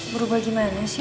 berubah gimana sih